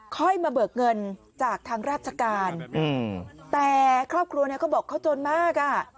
ค่อยมาเบิกเงินจากทางราชการแต่ครอบครัวเนี่ยเขาบอกเขาจนมากอ่ะ